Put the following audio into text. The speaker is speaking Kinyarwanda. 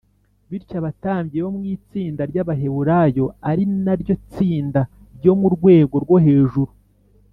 bityo, abatambyi bo mu itsinda rya baheburayo ari na ryo tsinda ryo mu rwego rwo hejuru